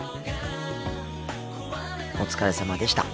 お疲れさまでした。